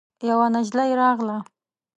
يوه نجلۍ راغله.